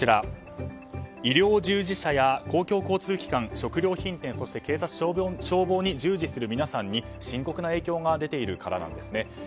医療従事者や公共交通機関食料品店そして警察・消防に従事する皆さんに深刻な影響が出ているからなんですね。